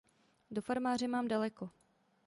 Do farmáře mám daleko.